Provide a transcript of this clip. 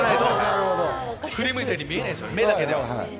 振り向いたように見えないですよね、目だけでは。